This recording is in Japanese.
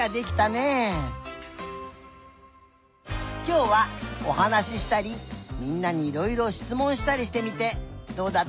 きょうはおはなししたりみんなにいろいろしつもんしたりしてみてどうだった？